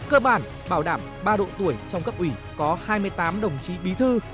cơ bản bảo đảm ba độ tuổi trong cấp ủy có hai mươi tám đồng chí bí thư